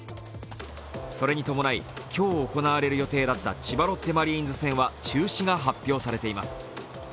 それに伴い、今日行われる予定だった千葉ロッテマリーンズ戦は中止が発表されています。